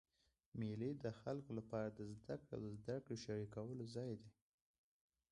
مېلې د خلکو له پاره د زدهکړي او زدهکړي شریکولو ځای دئ.